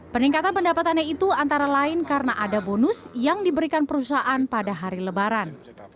peningkatan pendapatannya itu antara lain karena ada bonus yang diberikan perusahaan pada hari lebaran